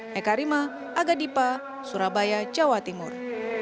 eka rima aga dipa surabaya jawa timur